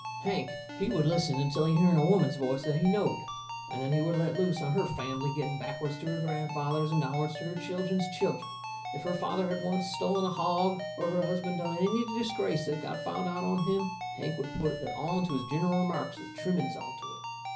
Hank, he would listen until he hearn a woman's voice that he knowed, and then he would let loose on her fambly, going backwards to her grandfathers and downwards to her children's children. If her father had once stolen a hog, or her husband done any disgrace that got found out on him, Hank would put it all into his gineral remarks, with trimmings onto it.